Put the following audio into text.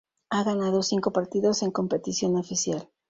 Ha ganado cinco partidos en competición oficial.